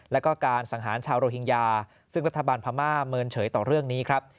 แล้วก็การสังหารชาวโรฮิงญาซึ่งรัฐบาลพม่าเมินเฉยต่อเรื่องนี้ครับ